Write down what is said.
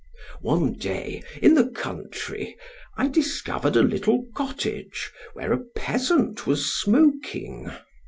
One day, in the country, I discovered a little cottage, where a peasant was smoking.